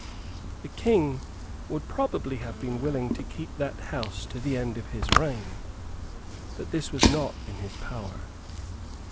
The King would probably have been willing to keep that House to the end of his reign. But this was not in his power.